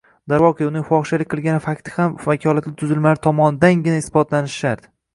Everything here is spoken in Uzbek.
Darvoqe, uning fohishalik qilgani fakti ham vakolatli tuzilmalar tomonidangina isbotlanishi shart.